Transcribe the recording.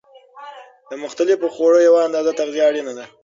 له مختلفو خوړو یوه اندازه تغذیه اړینه ده.